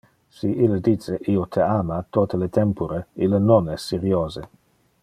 Si ille dice "io te ama" tote le tempore, ille non es seriose.